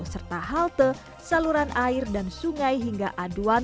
serta halte saluran air dan sungai hingga aduan